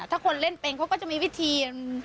ถ้าคนเล่นเป็นเขาก็จะมีวิธี